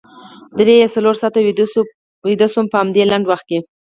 درې یا څلور ساعته ویده شوې وم په همدې لنډ وخت کې.